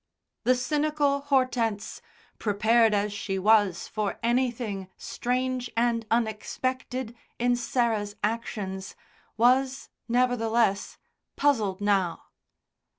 The cynical Hortense, prepared as she was for anything strange and unexpected in Sarah's actions, was, nevertheless, puzzled now.